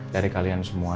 dari kalian semua